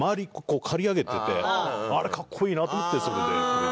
こう刈り上げててあれかっこいいなと思ってそれで。